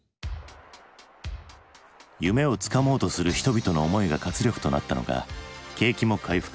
夢をつかもうとする人々の思いが活力となったのか景気も回復。